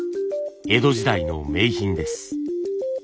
江戸時代の名品です。